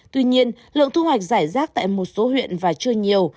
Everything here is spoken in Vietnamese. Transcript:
tuy nhiên lượng thu hoạch giải rác tại một số huyện và chưa nhiều